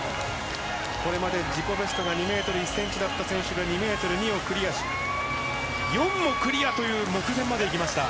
これまで自己ベストが２ｍ１ｃｍだった選手が２ｍ２をクリアし４もクリアという目前までいきました。